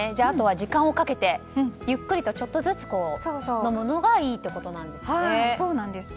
あとは時間をかけてゆっくりとちょっとずつ飲むのがいいということなんですね。